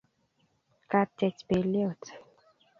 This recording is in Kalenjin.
katyech pelyot